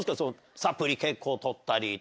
サプリ結構取ったり。